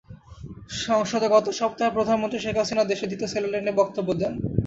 সংসদে গত সপ্তাহে প্রধানমন্ত্রী শেখ হাসিনাও দেশের দ্বিতীয় স্যাটেলাইট নিয়ে বক্তব্য দেন।